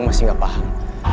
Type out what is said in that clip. gue masih gak paham